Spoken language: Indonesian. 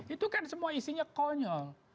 itu kan semua isinya konyol